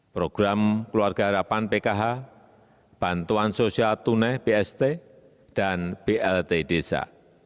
program keluarga harapan pkh bantuan sosial tunai bst dan blt desa